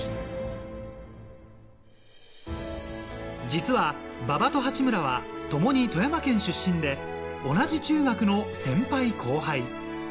実は馬場と八村はともに富山県出身で同じ中学の先輩後輩。